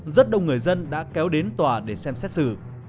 rất đông người dân đã kéo đến tòa để xem xét xử